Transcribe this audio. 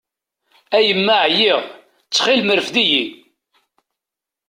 A yemma ɛyiɣ, ttxil-m rfed-iyi!